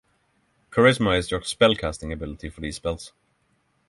Charisma is your spellcasting ability for these spells.